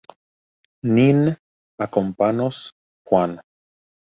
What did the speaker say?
Nin akompanos Juan.